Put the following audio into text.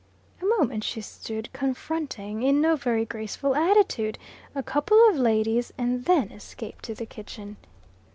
A moment she stood, confronting, in no very graceful attitude, a couple of ladies, and then escaped to the kitchen.